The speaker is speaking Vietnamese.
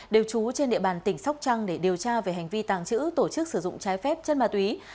đều trú trên địa bàn tỉnh sóc trăng để điều tra về hành vi tàng trữ tổ chức sử dụng trái phép chất ma túy